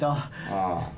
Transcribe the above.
ああ。